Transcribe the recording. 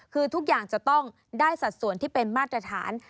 คือทุกอย่างจะต้องได้สัดส่วนที่เป็นมาตรฐาน